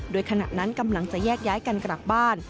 โดยขณะนั้นกำลังจะแยกย้ายกันกลับบ้าน